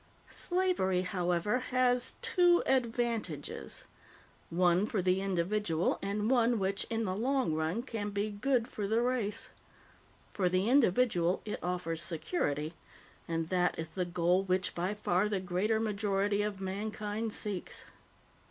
Slavery, however, has two advantages one for the individual, and one which, in the long run, can be good for the race. For the individual, it offers security, and that is the goal which by far the greater majority of mankind seeks.